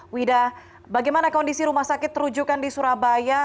wida bagaimana kondisi rumah sakit terujukan di surabaya